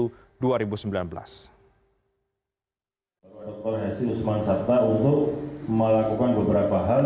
kepala hashim osman sabta untuk melakukan beberapa hal